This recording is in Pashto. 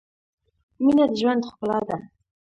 • مینه د ژوند ښکلا ده.